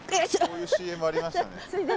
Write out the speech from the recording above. こういうＣＭありましたね。